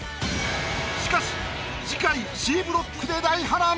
しかし次回Ｃブロックで大波乱！